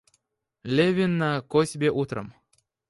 Левин на косьбе утром.